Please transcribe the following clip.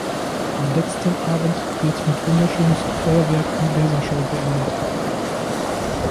Am letzten Abend wird mit wunderschönes Feuerwerk und Lasershow beendet.